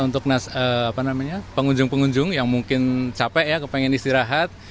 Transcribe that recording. untuk pengunjung pengunjung yang mungkin capek ya kepengen istirahat